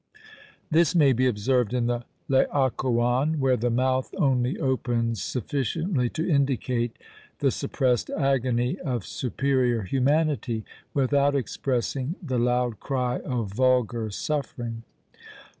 This may be observed in the Laocoon, where the mouth only opens sufficiently to indicate the suppressed agony of superior humanity, without expressing the loud cry of vulgar suffering.